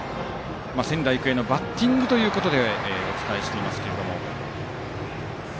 仙台育英のバッティングということでお伝えしていますけれども。